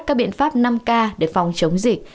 các biện pháp năm k để phòng chống dịch